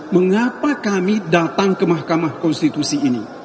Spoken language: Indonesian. mengapa kami datang ke mahkamah konstitusi ini